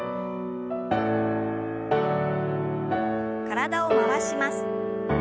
体を回します。